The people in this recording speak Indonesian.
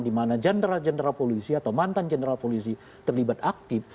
dimana general general polisi atau mantan general polisi terlibat aktif